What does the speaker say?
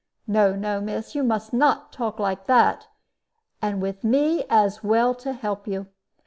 No, no, miss; you must not talk like that and with me as well to help you.